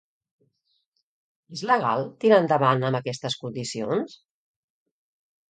És legal tirar endavant amb aquestes decisions?